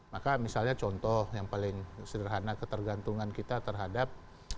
maka misalnya contoh yang paling sederhana ketergantungan kita terhadap